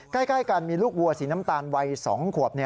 ใกล้กันมีลูกวัวสีน้ำตาลวัย๒ขวบ